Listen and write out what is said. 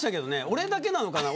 俺だけなのかな